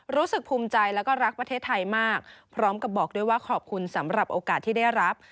รู้สึกภูมิใจแล้วก็รักประเทศไทยมากพร้อมกับบอกด้วยว่าขอบคุณสำหรับโอกาสที่ได้รับ